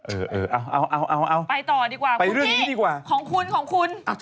เออเอาเอาเอา